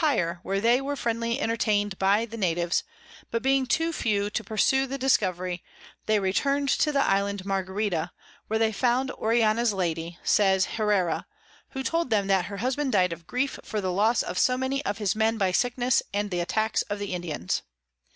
higher, where they were friendly entertain'd by the Natives, but being too few to pursue the Discovery, they return'd to the Island Margarita, where they found Orellana's Lady, says Heerera, who told them that her Husband died of Grief for the Loss of so many of his Men by Sickness and the Attacks of the Indians.